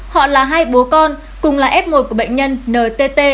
họ là hai bố con cùng là f một của bệnh nhân ntt